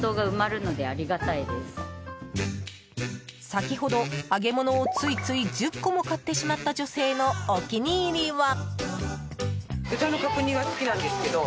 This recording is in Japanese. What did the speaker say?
先ほど揚げ物を、ついつい１０個も買ってしまった女性のお気に入りは。